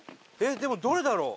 でもどれだろう？